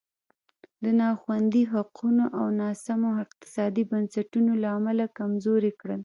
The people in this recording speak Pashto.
د نا خوندي حقونو او ناسمو اقتصادي بنسټونو له امله کمزوری کړل.